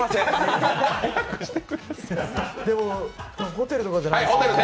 ホテルとかじゃないですよね。